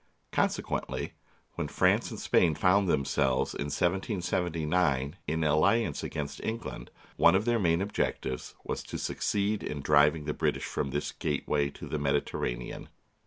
Consequently when France and Spain found themselves, in 1779, in alliance against Eng land, one of their main objects was to succeed in driving the British from this gateway to the Medi terranean.